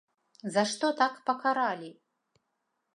За што так пакаралі?!